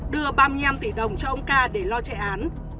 đưa ba mươi năm tỷ đồng cho ông ca để lo chạy án